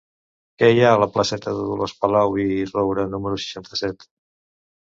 Què hi ha a la placeta de Dolors Palau i Roura número seixanta-set?